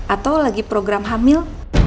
atau lagi program hamil